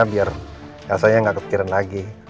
biar elsa gak kepikiran lagi